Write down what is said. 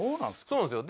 そうなんですよ。